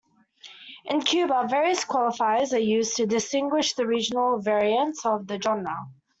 In Cuba, various qualifiers are used to distinguish the regional variants of the genre.